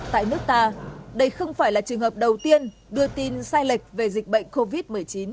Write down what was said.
tại nước ta đây không phải là trường hợp đầu tiên đưa tin sai lệch về dịch bệnh covid một mươi chín